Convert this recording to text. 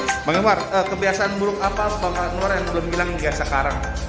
oke bang imar kebiasaan buruk apa bang anwar yang belum hilang dan tidak sekarang